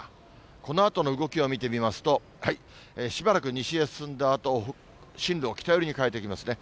このあとの動きを見てみますとしばらく西へ進んだあと、進路を北寄りに変えてきますね。